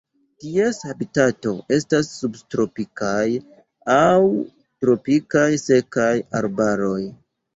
Ties habitato estas subtropikaj aŭ tropikaj sekaj arbaroj.